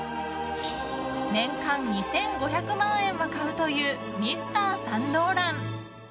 年間２５００万円は買うというＭｒ．サンローラン。